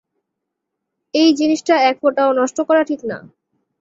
এই জিনিসটা এক ফোঁটাও নষ্ট করা ঠিক না।